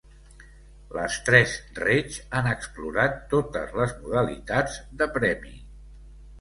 Les tres Reig han explorat totes les modalitats de premi.